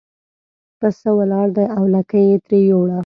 پسه ولاړ دی او لکۍ یې ترې یووړه.